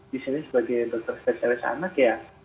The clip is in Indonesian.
di sini sebagai dokter spesialis anak ya